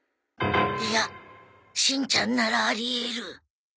いやしんちゃんならありえる！